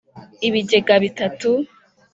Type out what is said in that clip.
ibigega bitatu,